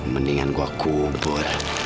mendingan gua kubur